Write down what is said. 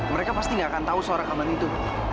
mereka pasti nggak akan tahu soal rekaman itu